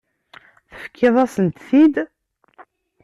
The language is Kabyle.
Tefkiḍ-asent-t-id.